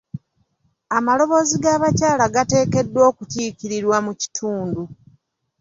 Amaloboozi g'abakyala gateekeddwa okukiikirirwa mu kitundu .